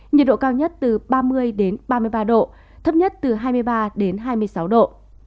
nhiệt độ cao nhất từ ba mươi ba mươi ba độ thấp nhất từ hai mươi ba đến hai mươi sáu độ